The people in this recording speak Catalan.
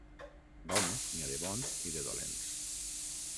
D'homes, n'hi ha de bons i de dolents.